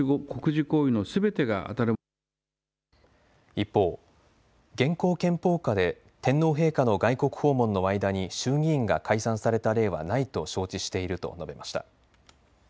一方、現行憲法下で天皇陛下の外国訪問の間に衆議院が解散された例はないと承知していると述べました。